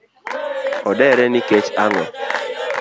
Odere nikech ang’o?